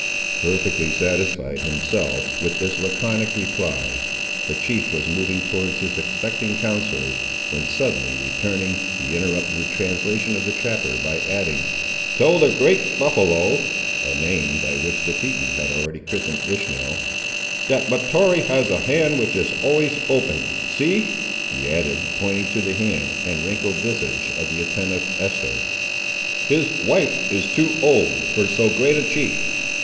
Perfectly satisfied, himself, with this laconic reply, the chief was moving towards his expecting counsellors, when suddenly returning, he interrupted the translation of the trapper by adding— "Tell the Great Buffaloe" (a name by which the Tetons had already christened Ishmael), "that Mahtoree has a hand which is always open. See," he added, pointing to the hard and wrinkled visage of the attentive Esther, "his wife is too old, for so great a chief.